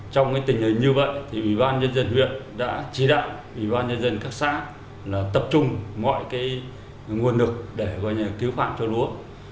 trong tình hình như vậy ủy ban nhân dân huyện đã chỉ đạo ủy ban nhân dân các xã tập trung mọi nguồn lực để cứu phạm cho lúa